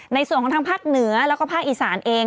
ในส่วนของทางภาคเหนือแล้วก็ภาคอีสานเอง